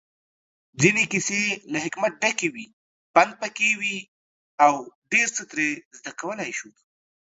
ځينې کيسې له حکمت ډکې وي، پندپکې وي اوډيرڅه ترې زده کولی شو